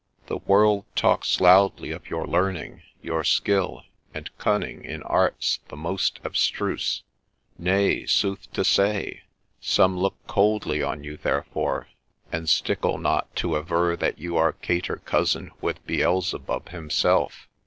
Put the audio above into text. The world talks loudly of your learning, your skill, and cunning inlarts the most abstruse ; nay, sooth to say, some look coldly on' you therefore, and stickle not to aver that you are cater cousin with Beelzebub himself.'